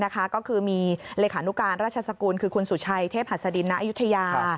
ก็คือมีเลขานุการราชสกุลคือคุณสุชัยเทพหัสดินณอายุทยา